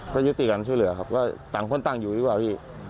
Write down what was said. ก็ยุติกันช่วยเหลือครับก็ต่างคนตั้งอยู่ดีกว่าพี่